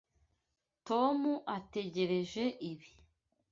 Tom ategereje ibi.